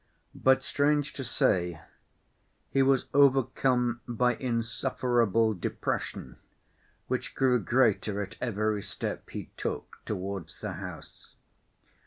But, strange to say, he was overcome by insufferable depression, which grew greater at every step he took towards the house.